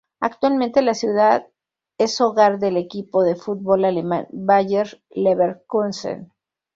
Actualmente la ciudad es hogar del equipo de fútbol alemán Bayer Leverkusen.